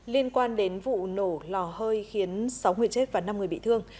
liên quan đến vụ nổ lò hơi khiến sáu người chết và năm người bị thương